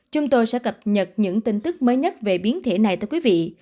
chúng tôi sẽ cập nhật những tin tức mới nhất về biến thể này tới quý vị